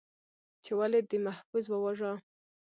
، چې ولې دې محفوظ وواژه؟